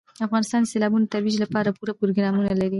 افغانستان د سیلابونو د ترویج لپاره پوره پروګرامونه لري.